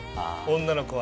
女の子は。